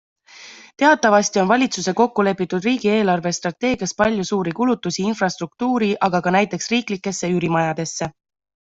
Teatavasti on valitsuse kokkulepitud riigieelarve strateegias palju suuri kulutusi infrastruktuuri, aga ka näiteks riiklikesse üürimajadesse.